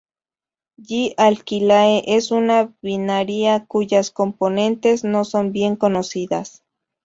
Ji Aquilae es una binaria cuyas componentes no son bien conocidas.